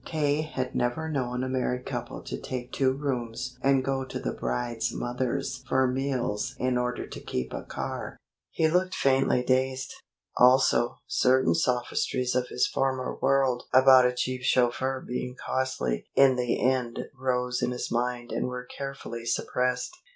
K. had never known a married couple to take two rooms and go to the bride's mother's for meals in order to keep a car. He looked faintly dazed. Also, certain sophistries of his former world about a cheap chauffeur being costly in the end rose in his mind and were carefully suppressed.